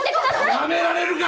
やめられるか！